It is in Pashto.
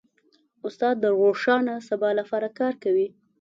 استاد د روښانه سبا لپاره کار کوي.